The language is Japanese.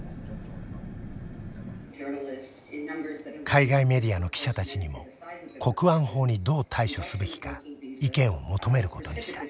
海外メディアの記者たちにも国安法にどう対処すべきか意見を求めることにした。